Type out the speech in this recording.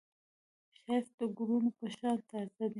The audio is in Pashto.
ښایست د ګلونو په شان تازه دی